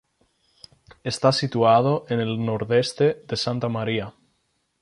Está situado en el nordeste de Santa Maria.